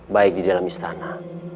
baik di dalam istana